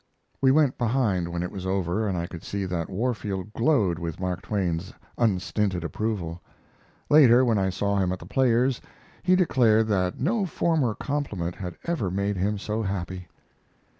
We went behind when it was over, and I could see that Warfield glowed with Mark Twain's unstinted approval. Later, when I saw him at The Players, he declared that no former compliment had ever made him so happy.